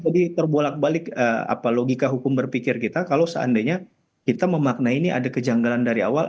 jadi terbolak balik apa logika hukum berpikir kita kalau seandainya kita memaknai ini ada kejanggalan dari awal